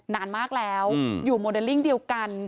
นานมากแล้วอยู่โมเดลลิ่งเดียวกัน